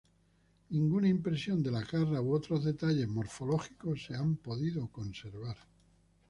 Ninguna impresión de las garras u otros detalles morfológicos se han podido conservar.